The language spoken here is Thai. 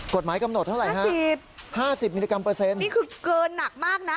กฎหมายกำหนดเท่าไหร่ฮะสิบห้าสิบมิลลิกรัมเปอร์เซ็นต์นี่คือเกินหนักมากนะ